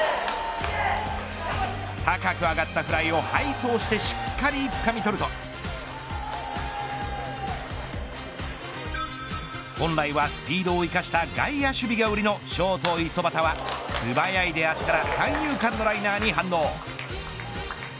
高く上がったフライを背走してしっかりつかみ取ると本来はスピードを生かした外野守備が売りのショート五十幡は素早い出足から三遊間のライナーに反応。